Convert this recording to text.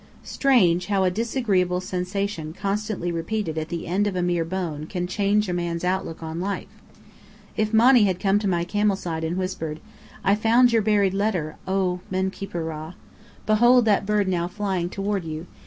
Strange, how a disagreeable sensation constantly repeated at the end of a mere bone can change a man's outlook on life! If Monny had come to my camel side and whispered, "I found your buried letter, oh, Men Kheper Rã. Behold that bird now flying toward you.